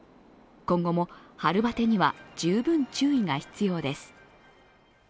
今後も春バテには十分注意が必要です。